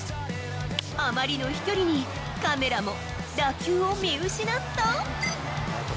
あまりの飛距離に、カメラも打球を見失った。